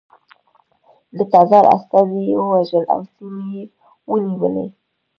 د تزار استازي یې ووژل او سیمې یې ونیولې.